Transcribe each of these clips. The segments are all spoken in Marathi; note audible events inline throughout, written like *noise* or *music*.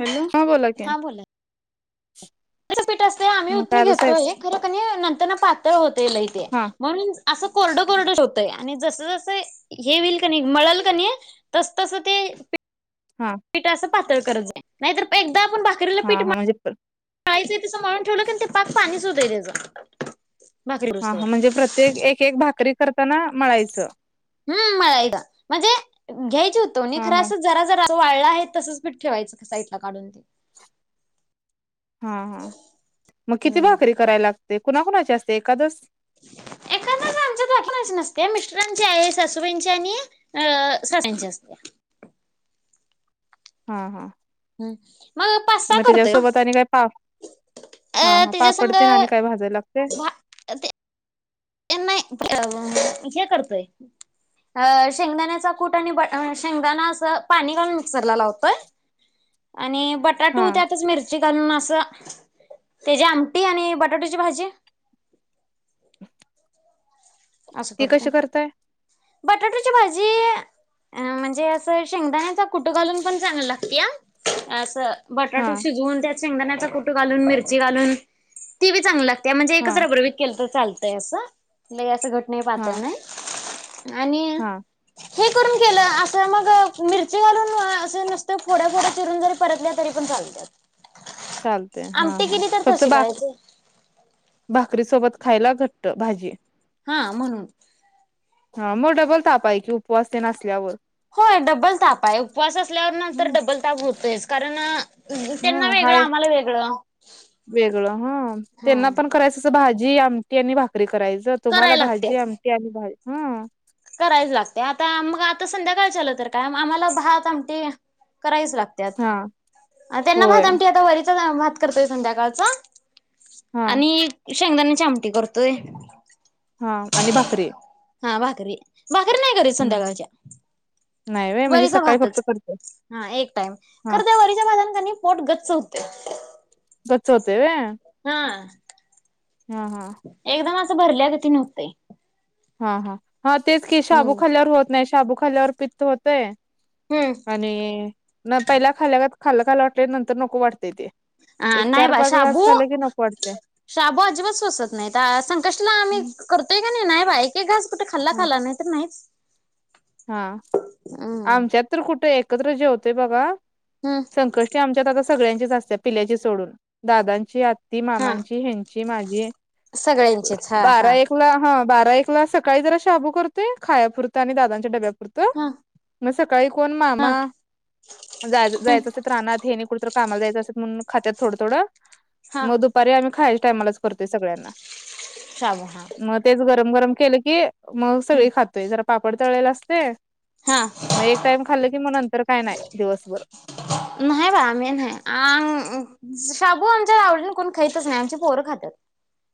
हॅलो, हा बोला की हा बोला पीठ असतय आम्ही मग काय उतनी आता साहेब घेतोय, खर कनी नंतर ना पातळ होतय लय ते. हा म्हणून असं कोरड-कोरडच होतया आणि जस जस हे होईल क नयी मळल क नयी तस तस ते हा पीठ अस पातळ करच नाही, नाहीतर एकदा आपण भाकरीला हा पीठ हा मळ म्हणजे मळायचय तस मळून ठेवलं क नयी ते पाक पाणीच होतंय त्याच. हा हा म्हणजे प्रत्येक एक एक भाकरी करताना, मळायचं हं मळायच म्हणजे घ्यायची उतवणी हा खर हा असच जरा जरा असं वाळं आहे तसच पीठ ठेवायचं एका साईटला काढून ते. हा हा, मग किती हम्म भाकरी करायला लागते, कुणाकुणाची असते एकादस? एखाद्याच *unintelligible* आमच्यात बाकी कोणाची नसते मिस्टरांची आहे सासूबाईंची आणि सासऱ्यांची असत्या. हा हा हम्म पाच सहा मग करतोय ओ त्याच्यासोबत आणि काय पा, हा अ हा त्याच्या पापड संग तेन आणि काय भाजायला लागतय? भा ते नाय, अ हे करतोय अ शेंगदाण्याचा कूट आणि ब शेंगदाणा असं पाणी घालून मिक्सरला लावतोय. आणि बट बटाटू हा त्यातच मिरची घालून असं तेची आमटी आणि बटाटुची भाजी. असं ती करतोय, कशी करताय बटाटूची भाजी. अ म्हणजे असं शेंगदाण्याचा कुट घालून पण चांगली लागत्या असं हा बटाटू शिजवून त्यात शेंगदाण्याचा कुट घालून, मिरची घालून ती बी चांगली लाग. ते म्हणजे एकच हा रबरबीत केल त चालतंय असं लय अस घट्ट नाय हा पातळ नाही. आणि हा अ हे करून केलं अस मग अ मिरची घालून अस नुसत फोड्या फोड्या चिरून जर परतल्या तरी पण चालत्यात. चालतय, हा आमटी हा केली तर फक्त तशी भाक करायची भाकरी सोबत खायला घट्ट भाजी. हा म्हणून. हा मग डबल ताप आहे की उपवास तेन असल्यावर. होय डबल ताप आहे उपवास असल्यावर नंतर डबल ताप होतोयच कारण अ हम्म हाय, वेगळ हं हा त्यांना पण करायचं अस भाजी, आमटी आणि भाकरी करायच कराय तुम्हाला लागत्यात. भाजी, आमटी आणि भा ह. करायच लागते आता मग आता संध्याकाळच्या आल तर काय आम्हाला भात आमटी करायच हा लागतत त्यांना होय भात आमठी आता वरीचा भात करतोय संध्याकाळचा हा आणि शेंगदाण्याची आमटी करतोय हा आणि भाकरी भाकरी भाकरी नाही करीत हम्म संध्याकाळच्या नाही व्हय म्हणजे वरीचा सकाळी फक्त भातच करते हा एक टाइम हा खरं त्या वरीच्या भातन का नाहीं पोट गच्च होते गच्च होतेय होय हा हा हा एकदम असं भरल्या गतीन व्हते हा हा हा तेच की शाबू हम्म खाल्यावर होत नाही शाबू खाल्ल्यावर पित्त होतय हम्म आणि नं पहिल्यां खाल्ल्या खाल्ला खायंला वाटलं नंतर नको वाटतेंय ते आ एक नाहीं चार बा पाच घास शाबू खाल्ले की नको वाटते शाबू अजिबात सोसत नाही तर संकष्टीला आम्ही करतोय का नाही नाही बा एक एक घास कुठे खाल्ला हा खाल्ला नाही तर नाहीच हा हम्म. आमच्यात तर कुठे एकत्र जेवतो बघा हां संकष्टी आमच्यात आता सगळ्यांचीच असते पिल्याची सोडून दादांची आत्ती हा मामांची ह्याची ची माझी सगळ्यांचेच हा बारा हा. एक ला ह बारा एक ला सकाळी जरा शाबू करते खायापुरतं आणि दादांच्या डब्या पुुरतं ह मग सकाळी कोण मामा जाय हम्म जायचं असे रानांत ह्यांनी कुठं तरी कामाला जायचं असं म्हणून खात्यांत थोडं थोडं हा मग दुपारी आम्ही खायच्या टायमालाच करतोय सगळ्यांना शाबू हा मग तेच गरम गरम केलं की मग सगळी हम्म. खातोय जरा पापड तळलेल असते हा मग एक टाइम खाल्ल कि मग नंतर काय नाही दिवसभर नाहीय बा आमही नाही आंग शाबू आमच्या आवर्जून कोण खातच नाही आमची पोरं खातात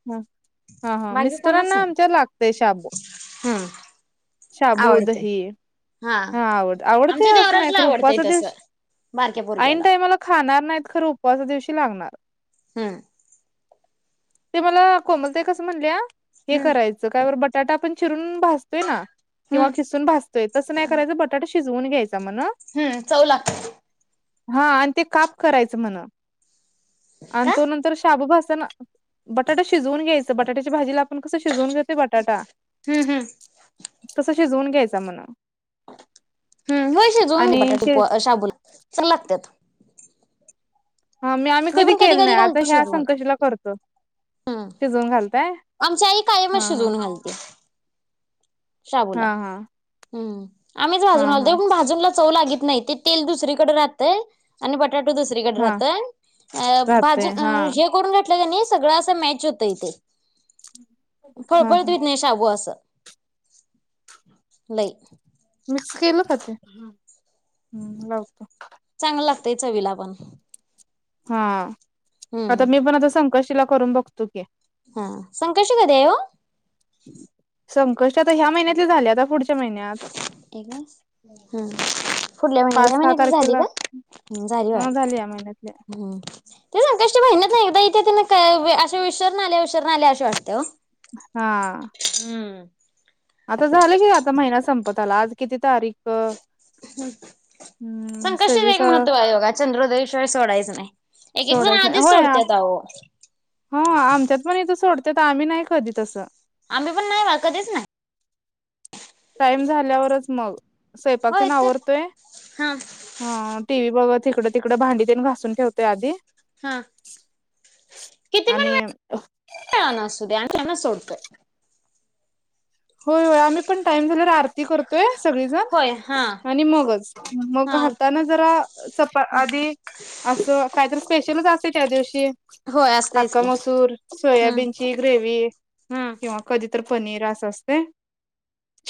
ह हा हा मिस्टरांना आमच्या लागतेय शाबू हम् शाबू दही हा आवड आवडत आमच्या आहे असं नाही देवराजला खरं आवडतंय उपवासा तसं. दिवशी बारक्या ऐन पोरग्याला टाईमाला खाणार नाहीत खरं उपवासा दिवशी लागणार हम्म ते मला कोमलताई कसं म्हणल्या हे हम्म करायचं काय बर बटाटा आपण चिरून भासतो ना किंवा हम्म किसून भाजतोय तस बटाटा शिजवून घ्यायचा म्हण हम्म चव लाग हा आणि ते काप करायचं म्हण आणि का तो नंतर शाबू भाजताना बटाटा शिजवून घ्यायचं बटाट्याच्या भाजीला आपण कसं शिजवून घेतोय बटाटा हम्म हम्म. तसं शिजवूम घ्यायचा म्हण हम् होय शिजवून आणि बटाटे शे पो शाबूला चांगलं लागतात हा मी आम्ही कधी केलं नाही आता ह्या संकष्टीला करतो हम्म शिजवून घालताय आमच्या आई कायमच हा हा शिजवून घालत्या शाबूला हा हा हम आम्हीच भाजून हा हा आणतोय पण भाजून चव लागीत नाही ते तेल दुसरीकडं राहतयं आणि बटाटू दुसरीकडं हा राहतय अ राहते भाजू हा हे करून घेतलं क णी सगळं असं मॅच होत ते हा फळफळीत हा हुईत नाही शाबू असं लई मिक्स केलं का ते हम लावतो चांगलं लागतंय चवीला पण हा हम्म आता मी पण आता संकष्टीला करून बघतो की हा संकष्टी कधी आहे वो संकष्टी आता ह्या महिन्यातली झाली आता पुढच्या महिन्यात एक बास हम्म फुडल्या महिन्यात पाच या सहा महिन्यातली झाली तारखेला काय झाली ह या महिन्यातले हम ती संकष्टी महिन्यातनं एकदा ईत्या त्यानं क अशी उशीरनं आल्या उशीरनं आल्या अशी वाढत्या वो हा हम्म आता झालं की आता महिना संपत आला आज किती तारीख हम हम्म संकष्टीचं सव्वीस एक महत्व आहे बघा चंद्रोदयशिवाय सोडायचं नाही एक एक जण आधीच सोडत्यात आवो हो आमच्यात पण इथं सोडत्यात आम्ही नाही कधी तसं आम्ही पण नाही बा कधीच नाही. टाईम झाल्यावरच मग स्वंयपाक होय तेन तर आवरतोय. हा हं टी व्ही बघत हिकडं तिकडं भांडी तेन घासून ठेवतोय आधी. हा आणि अह आण असू दे आण तेन सोडतोय होय होय आम्ही पण टाइम झाल्याला आरती करतोय होय हा सगळीजण आणि मगच मग हा घालताना जरा चपा आधी असं काहीतरी स्पेशलच असतय त्या दिवशी. होय असतयच अख्ख्या की मसूर हम्म सोयाबीनची, ग्रेव्ही. हम्म किंवा कधी तर पनीर असं असतंय.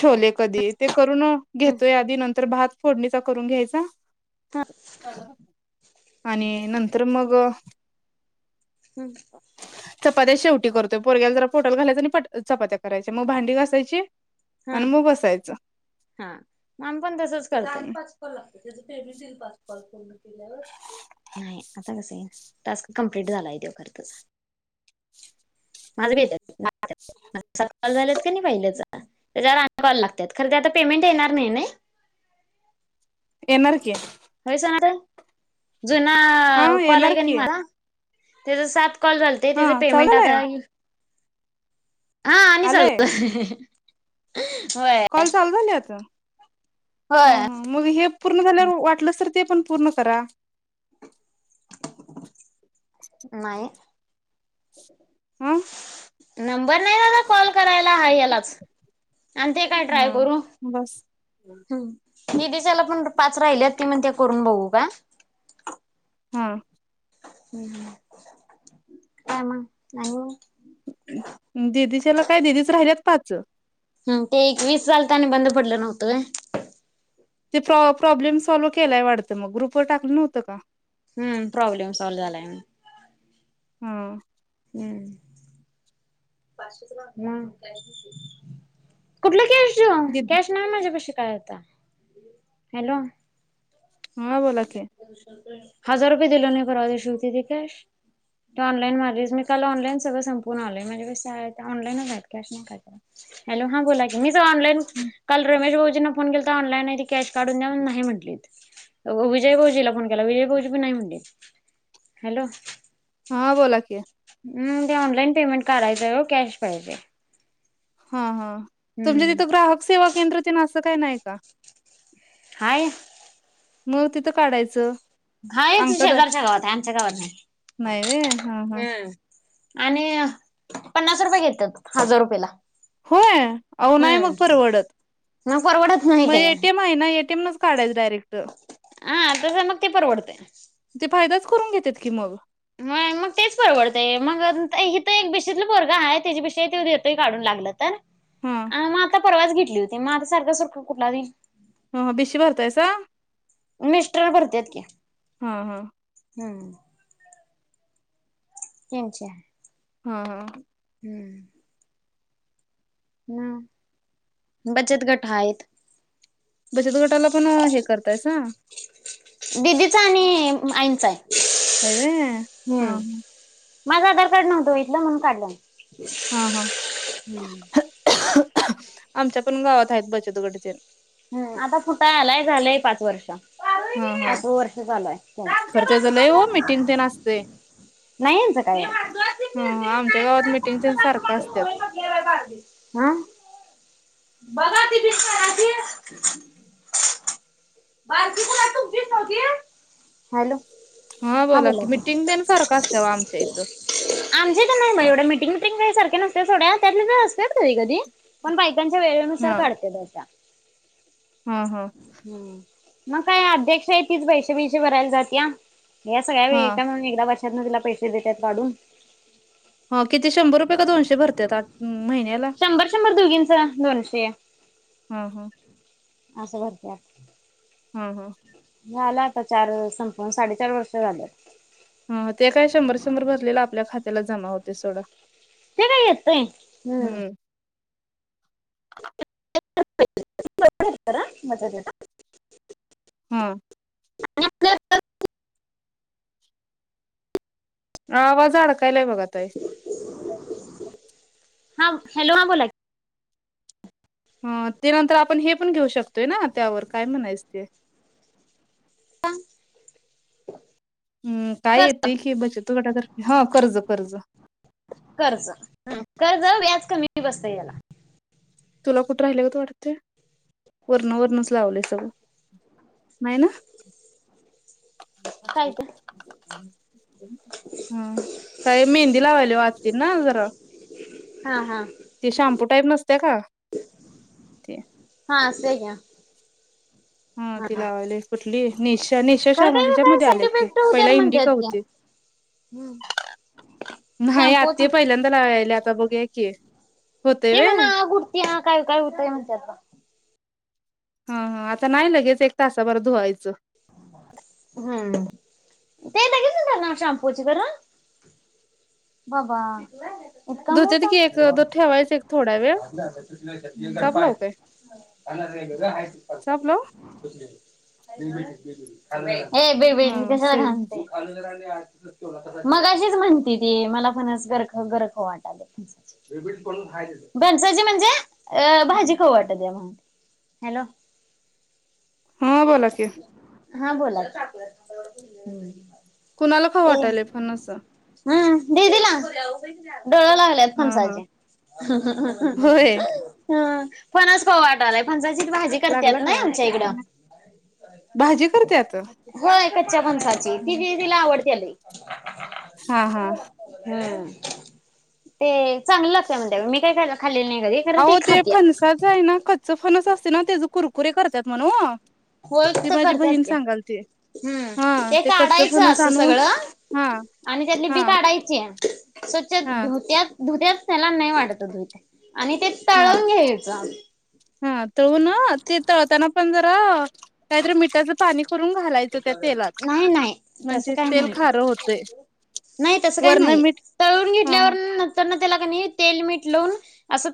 छोले कधी ते करून हम्म. घेतोय आधी. नंतर भात फोडणीचा करून घ्यायचा. ह आणि नंतर मग हम् चपात्या शेवटी करतोय. पोरग्याला जरा पोटात घालायच आणि पट चपात्या करायच्या. मग भांडी घास सायची. हा अनी मग बसायचं. हा. मग आम्ही पण तसचं करतोय. झाली पाच काॅल आता त्याचं पेमेंट येईल पाच कॉल पूर्ण केल्यावर. नाही आता कसं येईल. टास्क कम्प्लीट झालाय त्यो खरं तुझा *inaudible* माझं बी येत्यात *unintelligible* माझं सगळं कॉल झाल्यात की नाही पहिल्याचं. त्याच्यावर आणि कॉल लागत्यात. खरं ते आता पेमेंट येणार नाही नई येणार की. होय सना ताई जुना हा कॉल आहे येणार की नाही माझा. त्याच सात कॉल झालते. हा त्याच पेमेंट चालू आता झालंय येईल. हा. आणि चाल आलंय कॉल चालू झालेय का? हम होय हम मग हे पूर्ण झाल्यावर, वाटलंस तर ते पण पूर्ण करा. नाही. अं? नंबर नाही मला कॉल कराय हाय यालाच, आणि ते काय हा ट्राय करू. बस निधिशाला पण पाच राहिल्यात ती म्हणत्या करून बघू का? हं. हम् हम. काय मग आणि? दिदीच्याला काय दिदीच राहिल्यात पाच. हम् ते एक वीस झालतं आणि बंद पडलं नव्हतं व्हयं. ते प्रॉ प्रॉब्लेम सॉल्व्ह केलाय वाटतं मग ग्रुपवर टाकलं नव्हतं का? हम् प्रॉब्लेम सॉल झालाय म्हणून. हम्. हम्. दि म? हॅलो. हा बोला की. हजार रुपये दिलो नाही परवाच्या हुती ती कॅश. तू ऑनलाईन मारलीस, मी काल ऑनलाईन सगळं संपवून आलोय, माझ्या पाशी ऑनलाईनच आहेत कॅश नाही काही. हॅलो हां बोला मीच ऑनलाईन काल रमेश भाऊजीना फोन केलता ऑनलाईन आहे ती कॅश काढून द्या नाही म्हटलीत. विजय भाऊजीला फोन केला, विजय भाऊजी पण नाही म्हणलेत. हॅलो हा बोला की. हम ते ऑनलाईन पेमेंट काढायचय ओ कॅश पाहिजे. हा हा, तुमच्या हम्म तिथं ग्राहक सेवा केंद्र तेन असं काय नाही का? हाय म तिथं काढायचं. हां इथ अंगठा दा शेजारच्या गावात हाय आमच्या गावात नाही नाही व्हय हा हा हम्. आणि पन्नास रुपये घेत्यात हजार रुपयेला. होय आवो नाही मग हम्म. परवडत, मग परवडत नाही म ते ए टी एम हाय ना ए टी एम नच काढायच डायरेक्ट. हा तसं मग ते परवडतंय. ते फायदाच करून घेतेत की मग? मग मग तेच परवडतय, मग हित एक बीशीतल पोरग हाय तेची बिशी हाय त्यो देतोय काढून लागलं तर हम्म. मग आता परवाच घेतली होती मग आता सारखं सारखं कुटला दिल? हं बिशी भरताईसा? मिस्टर भरत्यात की. हां हां. हम्म. त्यांच्या. हां हां. हम्म. न, बचत गट आहेत. बचत गटाला पण हे करतायसा? दिदीच आणि आईंचा हाय. हाय वे हा. माझं आधार कार्ड नव्हतो व इथलं म्हणून काढलं. हा हा हम्म. आमच्या पण गावात हायत बचतगट ते. हम्म, आता फुटा आलाय झालंय पाच वर्ष. हा हा पाचवा वर्ष चालू आय. खरं त्याच लय ओ मिटिंग तेन असतय नाय याचं काय. ह आमच्या गावात मिटिंग तेन सारखं असत्यात आ? बघा ती पिन बारकी *inaudible* हॅलो. हा बोला की मीटिंग तेन सारखं असते अव आमच्या इथं. आमच्या हित नाय बाय एवढ्या मिटिंग बटिंग काय सारख्या नसत्यात सोडा त्यातल्या त्यात असत्यात कधी कधी. पण बायकांच्या वेळेनुसार हा काढत्या बायका. हा हा. हम्म, मग काय अध्यक्ष आय तीच पैशा बिश भरायला जातीया. या सगळ्या हा वेहिका म्हणून मी एकदा वर्षातन तिला पैसे देत्यात वाढून. हो किती शंभर रुपये का दोनशे भरत्यात आत महिन्याला? शंभर शंभर दोघींचा दोनशे. हा हा. अस भरत्यात. हा हा. झाला आता चार संपून साडेचार वर्ष झाल. हा ते काय शंभर शंभर भरलेलं आपल्या खात्याला जमा होते सोडा. ते काय येतय हम्म. *unintelligible* हा. आवाज अडकायलाय बघा ताई. हा हॅलो हा बोला की. हा ते नंतर आपण हे पण घेऊ शकतोय ना त्यावर काय म्हणायच ते? *inaudible* हम्म, काय कर्ज येते की बचत गटातर्फे हा कर्ज कर्ज. कर्ज कर्ज व्याज कमी बसतय याला. तुला कुठ राहिल्यागत वाटतय? वरण वरनच लावलय सगळं. नाय ना? काय ग? हम्म, काय मेहंदी लावायल्या व आत्तीना जरा. हा हा. ते शम्पू टाईप नसते का? ते. हा आस घ्या. हा ति लावयले कुठली निशा निशा खरं शाम काय काय हिच्यामध्ये आले की पहिल इंडी का होते. हम्म. न्हाय आत ते पहिल्यांदा लावायले आता बघूया की. होतय ते म्हण व्हय आग उठत्या काय काय हुतय म्हणत्यात बाय. हा हा आता नाय लगेच एक तासाभरात धुवायचं. हम्म, ते लगेच होत्या ना शाबूची खरं. बाबा. इतका धुतेत मोठा. की एक द ठेवायच एक थोडा वेळ चाप लावू काय चाप लावू *unintelligible* ए *unintelligible* हा सैल मगाशीच म्हणती ती मला फणस गर खाऊ गर खाऊ वाटालय. फनसाची म्हणजे अ भाजी खाऊ वाटाल्या, हॅलो. हां बोला की. हा बोला. कुणाला खाऊ वाटालय फणस. हम् दीदीला, डोळ लागल्यात. ते हा हा फणसाचे. होय ह फणस खाऊ वाटालय फणसाची भाजी लागला करत्यात नई काय आत आमच्या इकडं. भाजी करते आता होय कच्च्या फणसाची ती दीदीला आवडत्या लई. हा हा. हम्म ते चांगली लागत्या म्हणत्या मी काय खा खाल्लेली नाही कधी. खरं आवो ती ते खात्या. फणसाच आहे ना कच्च फणस असतय ना तेच कुरकुरे करत्यात म्हण ओ. होय ती हित माझी करत्याच बहीण की. सांगाल ती हम्म, हा ते कच्च काढायचं फणस अस आणून सगळं हा आणि त्यातली बी हा काढायची. स्वच्छ हा धुत्यात धुत्यात त्याला नाही वाटत धूत आणि ते हा. तळून घ्यायचं. हा तळून ते तळताना पण जरा काहीतरी मिठाच पाणी करून घालायचं त्या तेलात, नाही नाही तसं म्हणजे काय तेल नाही खारं होतंय. नाही तस काही वरण नाही मीठ तळून हा घेतल्यावर नंतर त्याला क नाही तेल मीठ लावून अस ते